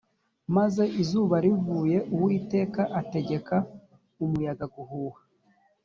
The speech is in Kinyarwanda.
maze izuba rivuye uwiteka ategeka umuyaga guhuha